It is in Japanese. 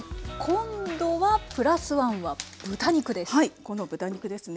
今度はプラスワンは豚肉です。